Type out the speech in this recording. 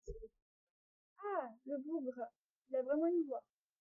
Ah ! le bougre, il a vraiment une voix !